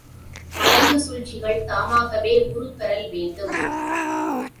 மறைவுச் சூழ்ச்சிகள், தாமாகவே உருப்பெறல் வேண்டும்.